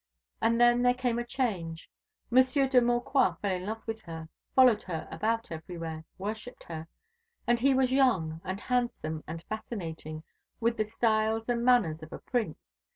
And then there came a change. Monsieur de Maucroix fell in love with her, followed her about everywhere, worshipped her. And he was young and handsome and fascinating, with the style, and manners of a prince.